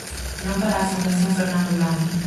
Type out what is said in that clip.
Non para a fundación Fernando Blanco.